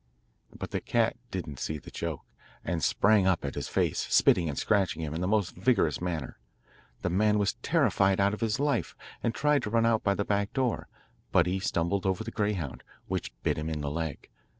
But the cat didn't see the joke, and sprang at his face, spitting and scratching him in the most vigorous manner. The man was terrified out of his life, and tried to run out by the back door; but he stumbled over the greyhound, which bit him in the leg.